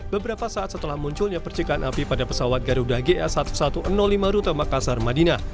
beberapa saat setelah munculnya percikan api pada pesawat garuda ga seribu satu ratus lima rute makassar madinah